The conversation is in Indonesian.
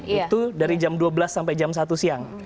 itu dari jam dua belas sampai jam satu siang